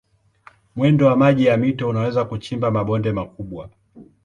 Mwendo wa maji ya mito unaweza kuchimba mabonde makubwa.